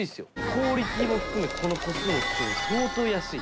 クオリティーも含めこの個数も含め相当安い。